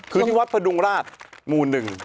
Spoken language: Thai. คือที่วัดพระดุงราชหมู่หนึ่ง